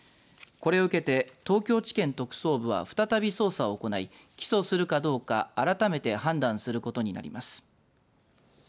これを受けて東京地検特捜部は再び捜査を行い起訴するかどうか改めて判断することになります。